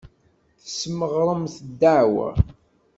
Tesmeɣremt ddeɛwa.